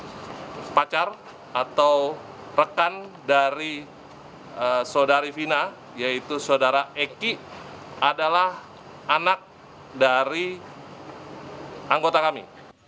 salah satu korban yang merupakan pacar atau rekan dari saudari vina yaitu saudara eki adalah anak dari anggota kami